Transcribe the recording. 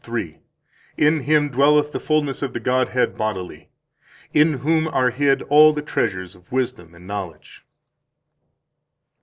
3: In Him dwelleth all the fullness of the Godhead bodily. In whom are hid all the treasures of wisdom and knowledge.